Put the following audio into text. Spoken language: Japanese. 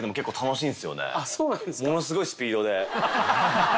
ものすごいスピードで。